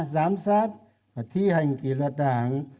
giám sát và thi hành kỳ luật đảng